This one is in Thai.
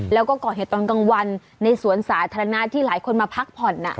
แล้วก็ก่อเหตุตอนกลางวันในสวนสาธารณะที่หลายคนมาพักผ่อน